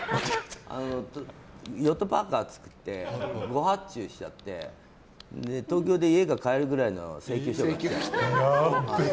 ヨットパーカを誤発注しちゃって東京で家が買えるくらいの請求書が来て。